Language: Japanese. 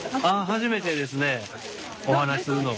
初めてですねお話しするのは。